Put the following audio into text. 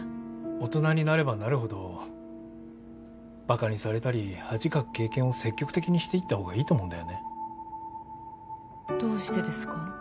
大人になればなるほどバカにされたり恥かく経験を積極的にしていった方がいいと思うんだよねどうしてですか？